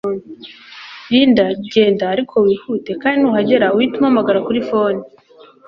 Linda genda ariko wihute kandi nuhagera uhite umpamagara kuri phone